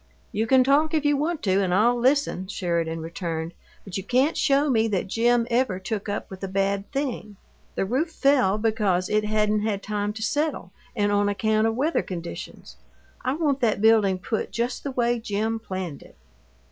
"You can talk, if you want to, and I'll listen," Sheridan returned, "but you can't show me that Jim ever took up with a bad thing. The roof fell because it hadn't had time to settle and on account of weather conditions. I want that building put just the way Jim planned it."